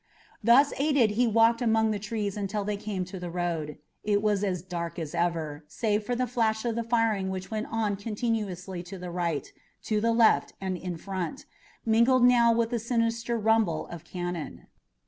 Thus aided he walked among the trees until they came to the road. It was as dark as ever, save for the flash of the firing which went on continuously to right, to left, and in front, mingled now with the sinister rumble of cannon.